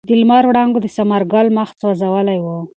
د لمر وړانګو د ثمر ګل مخ سوځولی و.